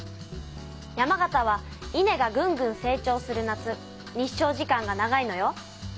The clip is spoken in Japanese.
山形は稲がぐんぐん成長する夏日照時間が長いのよ。